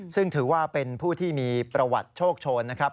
ซึ่งถือว่าเป็นผู้ที่มีประวัติโชคโชนนะครับ